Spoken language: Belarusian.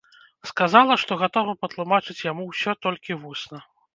Сказала, што гатова патлумачыць яму ўсё толькі вусна.